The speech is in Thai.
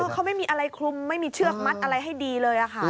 เขาไม่มีอะไรคลุมไม่มีเชือกมัดอะไรให้ดีเลยค่ะ